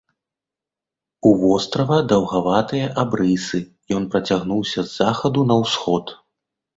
У вострава даўгаватыя абрысы, ён працягнуўся з захаду на ўсход.